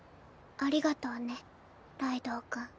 ありがとうねライドウ君。